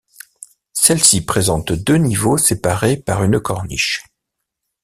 Celles-ci présentent deux niveaux séparés par une corniche.